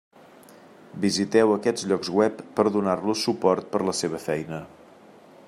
Visiteu aquests llocs web per donar-los suport per la seva feina.